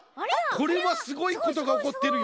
これはすごいことがおこってるよ。